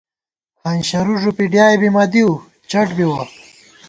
ہنشر ݫُوپی ڈیائے بی مہ دِؤ ، چَٹ بِوَہ